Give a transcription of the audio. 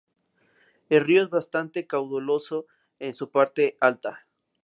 El río es bastante caudaloso en su parte alta.